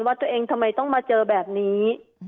ว่าตัวเองทำไมต้องมาเจอแบบนี้